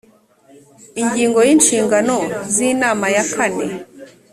ingingo ya inshingano z inama ya kane